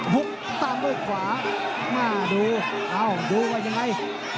ลุกตามด้วยขวามาดูเอ้าดูว่ายังไง